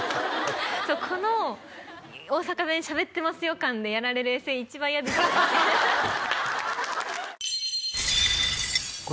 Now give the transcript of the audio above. そうこの大阪弁しゃべってますよ感でやられるエセ一番嫌ですよね